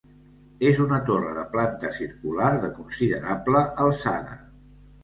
És una torre de planta circular de considerable alçada.